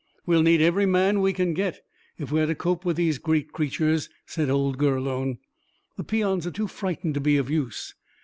"We'll need every man we can get, if we are to cope with these great creatures," said old Gurlone. "The peons are too frightened to be of use.